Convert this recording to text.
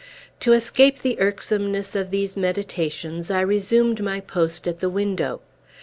To escape the irksomeness of these meditations, I resumed my post at the window.